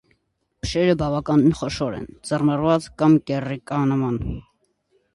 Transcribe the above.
Փշերը բավականին խոշոր են, ծռմռված կամ կեռիկանման։